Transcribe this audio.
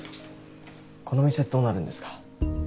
この店どうなるんですか？